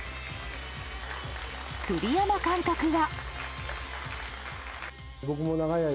栗山監督は。